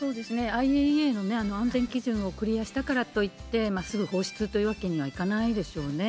ＩＡＥＡの安全基準をクリアしたからといって、すぐ放出というわけにはいかないでしょうね。